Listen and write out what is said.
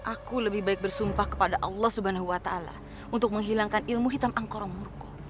aku lebih baik bersumpah kepada allah swt untuk menghilangkan ilmu hitam angkoro murko